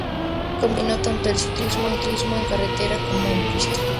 Combinó tanto el ciclismo en carretera como en pista.